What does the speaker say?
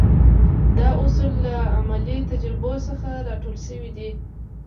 دا اصول له عملي تجربو څخه را ټول شوي دي.